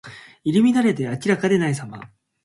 入り乱れて明らかでないさま。